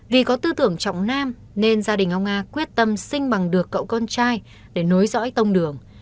vì có tư tưởng trọng nam nên gia đình ông nga quyết tâm sinh bằng được cậu con trai để nối dõi tông đường